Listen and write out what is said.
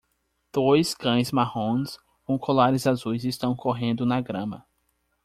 Dois cães marrons com colares azuis estão correndo na grama